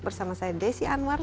bersama saya desi anwar